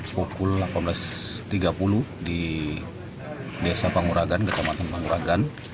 pukul delapan belas tiga puluh di desa panguragan kecamatan panguragan